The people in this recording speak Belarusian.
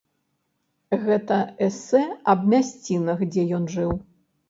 Гэта эсэ аб мясцінах, дзе ён жыў.